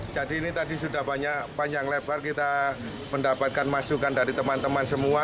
jadi ini tadi sudah panjang lebar kita mendapatkan masukan dari teman teman semua